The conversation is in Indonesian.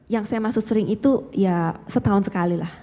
yang saya maksud sering itu ya setahun sekali lah